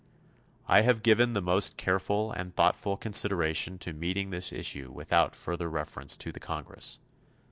I have given the most careful and thoughtful consideration to meeting this issue without further reference to the Congress.